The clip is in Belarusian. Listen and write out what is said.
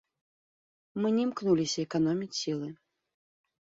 Мы не імкнуліся эканоміць сілы.